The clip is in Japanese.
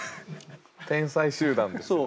天才集団ですよ。